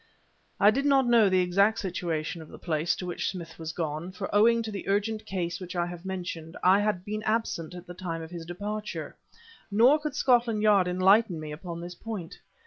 I did not know the exact situation of the place to which Smith was gone, for owing to the urgent case which I have mentioned, I had been absent at the time of his departure; nor could Scotland Yard enlighten me upon this point.